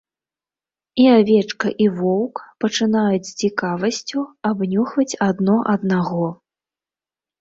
І авечка і воўк пачынаюць з цікавасцю абнюхваць адно аднаго.